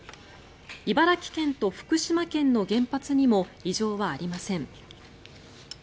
茨城県と福島県の原発にも異常はありません。